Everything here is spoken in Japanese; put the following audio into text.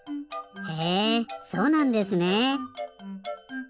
へえそうなんですねえ。